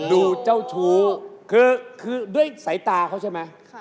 ดูเจ้าชู้คือด้วยสายตาเขาใช่ไหม